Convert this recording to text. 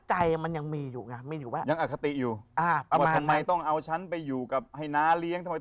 ให้น้าเลี้ยงทำไมต้องส่งฉันมาอยู่กับท่ายาย